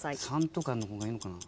３とかの方がいいのかな。